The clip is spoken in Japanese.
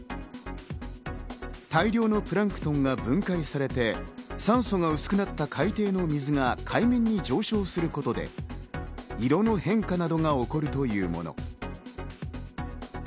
大量のプランクトンが分解されて、酸素が薄くなった海底の水が海面に上昇することで色の変化などが起こるというもの。